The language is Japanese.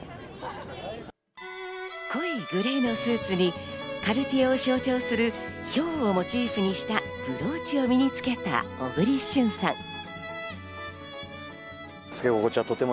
濃いグレーのスーツにカルティエを象徴するヒョウをモチーフにしたブローチを身につけた小栗旬さん。